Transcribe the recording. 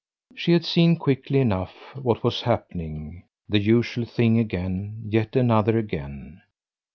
She had seen quickly enough what was happening the usual thing again, yet once again.